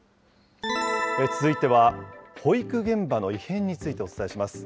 続いては、保育現場の異変についてお伝えします。